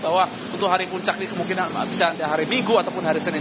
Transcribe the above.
bahwa untuk hari puncak ini kemungkinan bisa hari minggu ataupun hari senin